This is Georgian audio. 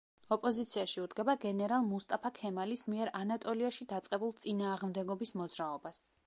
ოპოზიციაში უდგება გენერალ მუსტაფა ქემალის მიერ ანატოლიაში დაწყებულ წინააღმდეგობის მოძრაობას.